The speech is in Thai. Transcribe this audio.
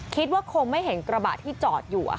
คิดว่าคงไม่เห็นกระบะที่จอดอยู่